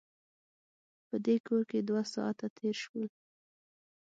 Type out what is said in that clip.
په دې کور کې دوه ساعته تېر شول.